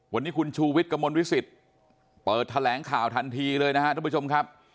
วันนี้คุณชูวิทย์กระมวลวิสิตเปิดแถลงข่าวทันทีเลยนะครับทุกผู้ชมครับ